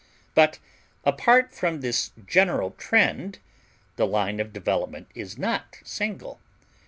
But apart from this general trend the line of development is not single.